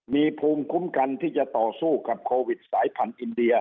มีภูมิคุ้มกันที่จะต่อสู้กับโควิดสายพันธุ์อินเดีย